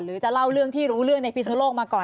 จะเล่าเรื่องที่รู้เรื่องในพิศนุโลกมาก่อน